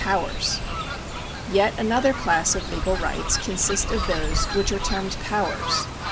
Powers. Yet another class of legal rights consists of those which are termed powers.